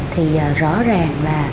thì rõ ràng là